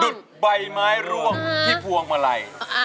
จุดใบไม้ร่วงที่พวงมาลัย